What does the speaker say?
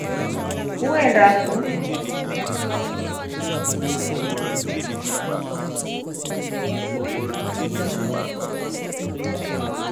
Uenda kuu?